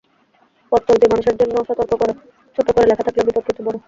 পথচলতি মানুষের জন্য সতর্ক-কথা ছোট্ট করে লেখা থাকলেও বিপদ কিন্তু বড়।